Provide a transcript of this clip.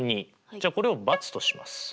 じゃあこれを×とします。